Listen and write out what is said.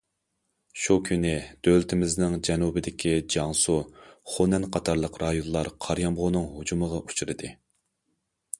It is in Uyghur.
شۇ كۈنى، دۆلىتىمىزنىڭ جەنۇبىدىكى جياڭسۇ، خۇنەن قاتارلىق رايونلار قارا يامغۇرنىڭ ھۇجۇمىغا ئۇچرىدى.